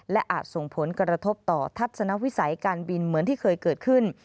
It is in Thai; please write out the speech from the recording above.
และอาจส่งผลกระทบต่อทัศนวิสัยการบินเหมือนที่เคยเกิดขึ้น